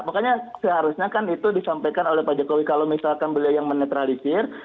makanya seharusnya kan itu disampaikan oleh pak jokowi kalau misalkan beliau yang menetralisir